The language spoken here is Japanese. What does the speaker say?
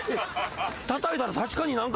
たたいたら確かに何か。